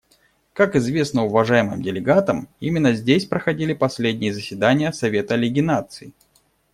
Как известно уважаемым делегатам, именно здесь проходили последние заседания Совета Лиги Наций.